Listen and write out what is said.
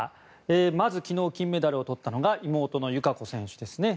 まず昨日、金メダルを取ったのが妹の友香子選手です。